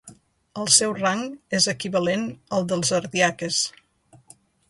El seu rang és equivalent al dels ardiaques.